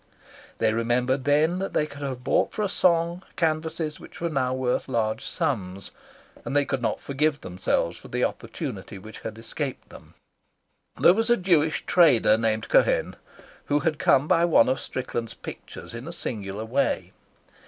They remembered then that they could have bought for a song canvases which now were worth large sums, and they could not forgive themselves for the opportunity which had escaped them. There was a Jewish trader called Cohen, who had come by one of Strickland's pictures in a singular way.